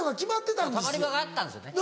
たまり場があったんですよね。